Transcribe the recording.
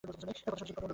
কত সাধাসাধি, কত অনুরোধ!